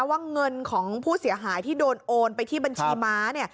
ว่าเงินของผู้เสียหายที่โดนโอนไปที่บัญชีม้าเนี่ย